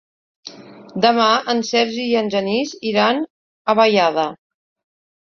Demà en Sergi i en Genís iran a Vallada.